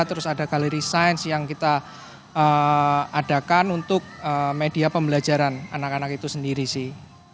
terus ada galeri science yang kita adakan untuk media pembelajaran anak anak itu sendiri sih